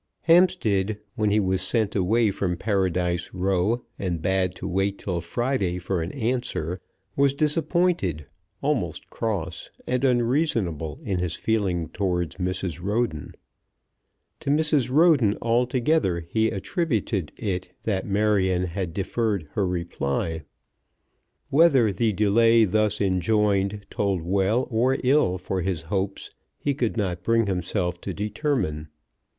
Hampstead, when he was sent away from Paradise Row, and bade to wait till Friday for an answer, was disappointed, almost cross, and unreasonable in his feelings towards Mrs. Roden. To Mrs. Roden altogether he attributed it that Marion had deferred her reply. Whether the delay thus enjoined told well or ill for his hopes he could not bring himself to determine.